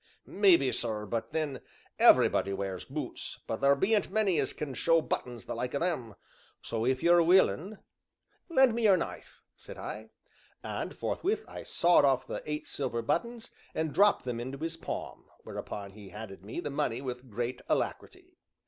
"Maybe, sir, but then, everybody wears boots, but there bean't many as can show buttons the like o' them so if you're willin' " "Lend me your knife," said I. And, forthwith, I sawed off the eight silver buttons and dropped them into his palm, whereupon he handed me the money with great alacrity.